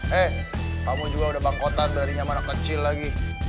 hei kamu juga udah bangkotan dari zaman anak kecil lagi